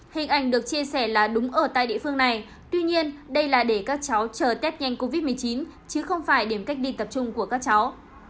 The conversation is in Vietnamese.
hình ảnh được chia sẻ là đúng ở tại địa phương này tuy nhiên đây là để các cháu chờ tết nhanh covid một mươi chín chứ không phải điểm cách ly tập trung của các cháu